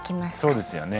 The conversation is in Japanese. そうですよね。